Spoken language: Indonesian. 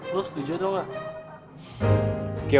gue setuju dong lah